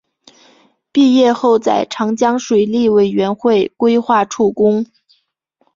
毕业后在长江水利委员会规划处工。